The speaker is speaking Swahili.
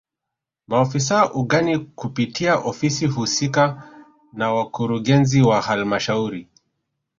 Maofisa ugani kupitia ofisi husika na wakurugenzi wa halmashauri